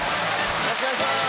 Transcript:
よろしくお願いします。